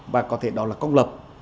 và có thể đó là công lập